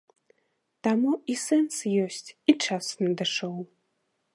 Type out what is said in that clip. Таму і сэнс ёсць, і час надышоў.